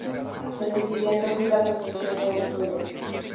Se decidió entonces la construcción de un túnel.